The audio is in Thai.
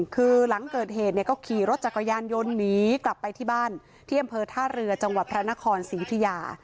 คือหลังเกิดเหตุเนี่ยก็ขี่รถจักรยานยนต์หนีกลับไปที่บ้านที่อำเภอท่าเรือจังหวัดพระนครศรียุธิยา